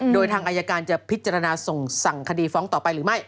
โดยทางอายการจะพิจารณาส่งสั่งคดีฟ้องต่อไปหรือไม่